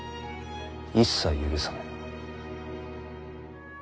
一切許さぬ。